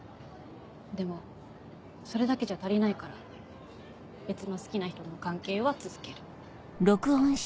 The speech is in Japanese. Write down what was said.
でもそれだけじゃ足りないから別の好きな人との関係は続ける。